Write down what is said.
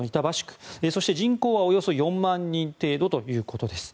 そして、人口はおよそ４万人程度ということです。